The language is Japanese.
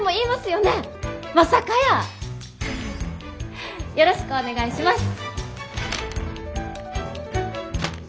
よろしくお願いします。